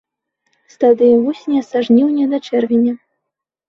Стадыя вусеня са жніўня да чэрвеня.